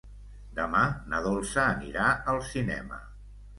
Demà na Dolça anirà al cinema.